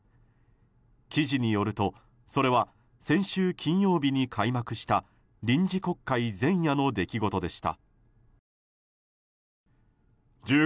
記事によるとそれは先週金曜日に開幕した臨時国会前夜の出来事でした。